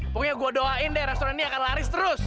pokoknya gue doain deh restorannya akan laris terus